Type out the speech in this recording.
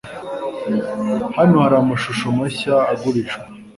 Hano hari amashusho mashya agurishwa